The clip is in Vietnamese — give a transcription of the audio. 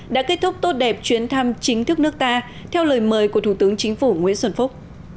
đã kết thúc tốt đẹp chuyến thăm chính thức nước ta theo lời mời của thủ tướng chính phủ nguyễn xuân phúc